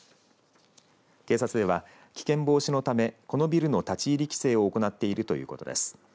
警察では、危険防止のためこのビルの立ち入り規制を行っているということです。